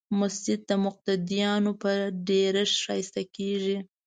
مسجد د مقتدیانو په ډېرښت ښایسته کېږي.